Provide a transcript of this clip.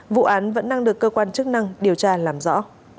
vụ án vẫn đang được cơ quan chức năng điều tra làm rõ